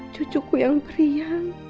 cucuku yang pria